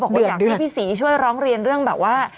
บอกว่าอย่างที่พี่ศรีช่วยร้องเรียนเรื่องแบบว่า